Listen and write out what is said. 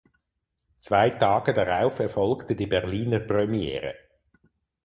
Zwei Tage darauf erfolgte die Berliner Premiere.